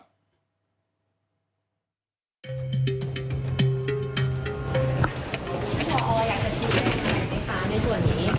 พี่หอออยากจะชี้แจงให้ไหมคะในส่วนนี้